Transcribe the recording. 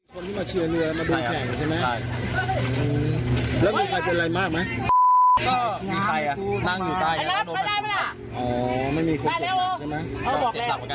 คนที่มาเชื่อเรือแล้วมาดูแขอจิตใช่ไหมใช่